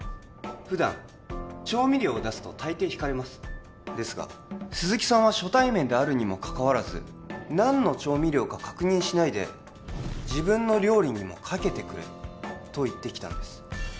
普段調味料を出すと大抵引かれますですが鈴木さんは初対面であるにもかかわらず何の調味料か確認しないで自分の料理にもかけてくれと言ってきたんです